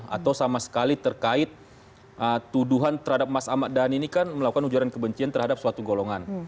atau sama sekali terkait tuduhan terhadap mas ahmad dhani ini kan melakukan ujaran kebencian terhadap suatu golongan